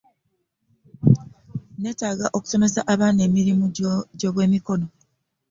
Nneetaaga okusomesa abaana emirimu gy'omu mikono.